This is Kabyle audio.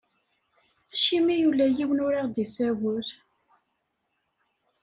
Acimi ula yiwen ur aɣ-d-isawel?